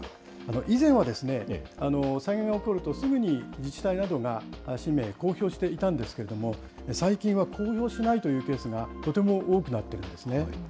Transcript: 以前は災害が起こるとすぐに自治体などが氏名、公表していたんですけれども、最近は公表しないというケースがとても多くなっているんですね。